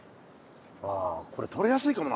あこれ取れやすいかもな。